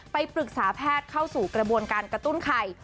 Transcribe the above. ไปปรึกษาแพทย์เข้าสู่กระบวนการกระตุ้นไข่